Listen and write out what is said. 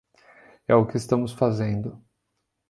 É o que estamos fazendo.